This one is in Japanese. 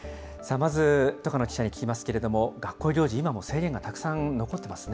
まず戸叶記者に聞きますけれども、学校行事、今も制限がたくさん残ってますね。